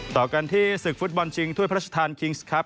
ต่อกันที่ศึกฟุตบอลชิงถ้วยพระราชทานคิงส์ครับ